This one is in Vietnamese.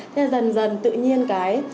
thế dần dần tự nhiên cái